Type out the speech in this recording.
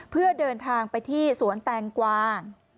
เพื่อเดินทางไปที่สวนแตงกวา